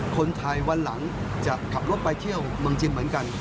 คนไทยวันหลังจะขับรถไปเที่ยวเมืองจีนเหมือนกัน